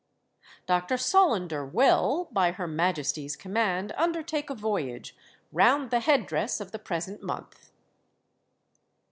"Dr. Solander will, by Her Majesty's command, undertake a voyage round the head dress of the present month."